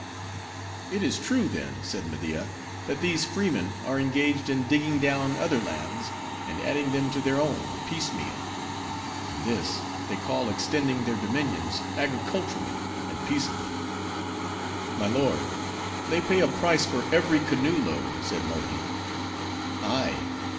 "It is true, then," said Media "that these freemen are engaged in digging down other lands, and adding them to their own, piece meal. And this, they call extending their dominions agriculturally, and peaceably." "My lord, they pay a price for every canoe load," said Mohi.